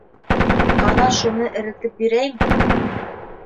Ҡана шуны эретеп бирәйем?